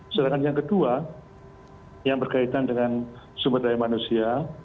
sedangkan yang kedua yang berkaitan dengan sumber daya manusia